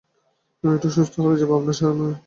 আমি একটু সুস্থ হলেই যাব আপনার বাসায়।